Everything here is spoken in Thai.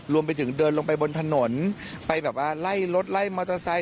รวมไปถึงเดินลงไปบนถนนไปแบบว่าไล่รถไล่มอเตอร์ไซค